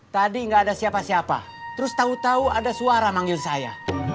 tadi gak ada siapa siapa terus tau tau ada suara manggil saya